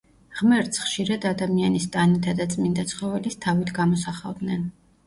ღმერთს ხშირად ადამიანის ტანითა და წმინდა ცხოველის თავით გამოსახავდნენ.